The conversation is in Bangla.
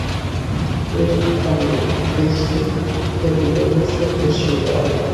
এরূপ দানে দেশে কেবল আলস্যের প্রশ্রয় দেওয়া হয়।